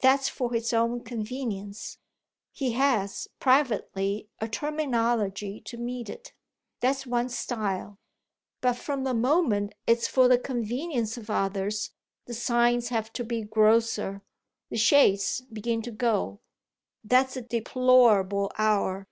"That's for his own convenience; he has, privately, a terminology to meet it. That's one's style. But from the moment it's for the convenience of others the signs have to be grosser, the shades begin to go. That's a deplorable hour!